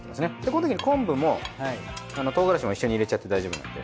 このときに昆布も唐辛子も一緒に入れちゃって大丈夫なんで。